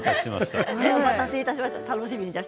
お待たせしました。